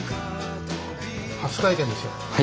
初体験ですよ。